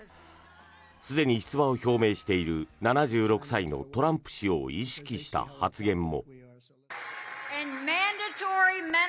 すでに出馬を表明している７６歳のトランプ氏を意識した発言も。